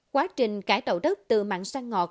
quá trình cải tạo đất từ mạng xanh ngọt